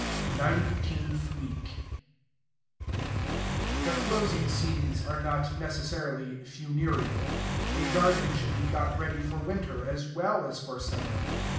NINETEENTH WEEK The closing scenes are not necessarily funereal. A garden should be got ready for winter as well as for summer.